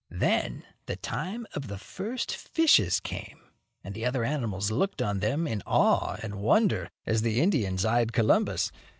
Then, the time of the first fishes came, and the other animals looked on them in awe and wonder as the Indians eyed Columbus.